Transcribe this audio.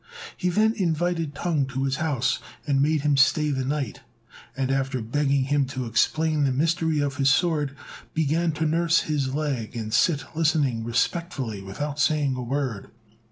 He then invited T'ung to his house, and made him stay the night; and, after begging him to explain the mystery of his sword, began to nurse his leg and sit listening respectfully without saying a word.